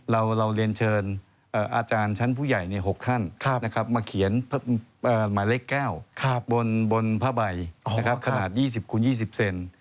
เราเรียนเชิญอาจารย์ชั้นผู้ใหญ่๖ท่านมาเขียนหมายเลขแก้วบนผ้าใบขนาด๒๐คูณ๒๐เซน